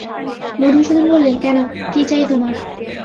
মধুসূদন বললে, কেন, কী চাই তোমার?